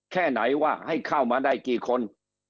แค่ไหนว่าให้เข้ามาได้กี่คน